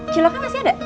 ciloknya masih ada